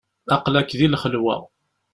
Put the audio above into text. Aql-ak di lxelwa.